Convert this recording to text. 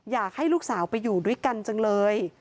อยากให้ลูกสาวไปอยู่ด้วยกันจังเลย